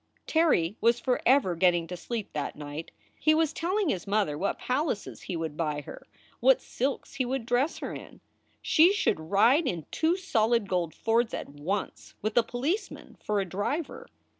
Terry was forever getting to sleep that night. He was telling his mother what palaces he would buy her, what silks he would dress her in; she should ride in two solid gold Fords at once, with a policeman for driver.